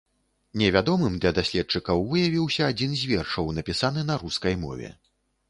Невядомым для даследчыкаў выявіўся адзін з вершаў, напісаны на рускай мове.